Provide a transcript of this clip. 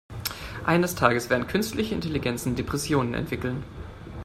Eines Tages werden künstliche Intelligenzen Depressionen entwickeln.